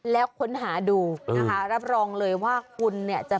แล้วค้นหาดูนะคะรับรองเลยว่าคุณเนี่ยจะ